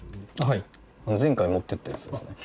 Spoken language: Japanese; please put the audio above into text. はい前回持って行ったやつですね。